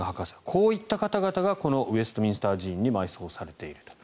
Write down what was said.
こういった方々がこのウェストミンスター寺院に埋葬されていると。